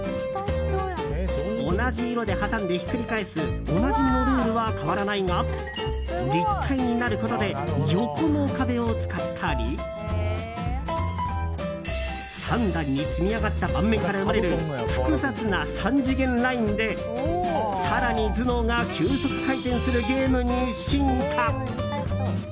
同じ色で挟んでひっくり返すおなじみのルールは変わらないが立体になることで横の壁を使ったり３段に積み上がった盤面から生まれる複雑な３次元ラインで更に頭脳が急速回転するゲームに進化。